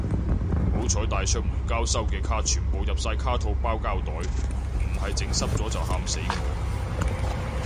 好彩帶出門交收嘅卡全部入晒卡套包膠袋，唔係整濕咗就喊死我